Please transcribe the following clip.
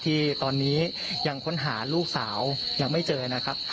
ที่ตอนนี้ยังค้นหาลูกสาวยังไม่เจอนะครับ